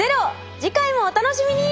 次回もお楽しみに！